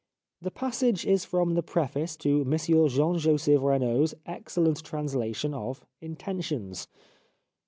The passage is from the preface to Monsieur Jean Joseph Renaud's excellent translation of " Intentions."